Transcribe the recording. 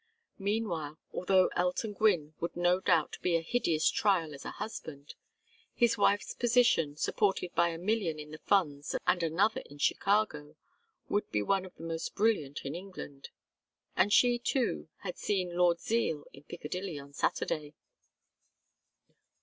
Meanwhile, although Elton Gwynne would no doubt be a hideous trial as a husband, his wife's position, supported by a million in the funds and another in Chicago, would be one of the most brilliant in England. And she too had seen Lord Zeal in Piccadilly on Saturday.